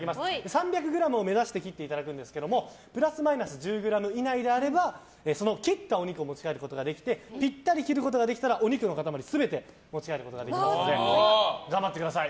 ３００ｇを目指して切っていただくんですけどもプラスマイナス１０ｇ以内ならその切ったお肉を持ち帰ることができてぴったり切ることができればお肉の塊全て持ち帰ることができますので頑張ってください。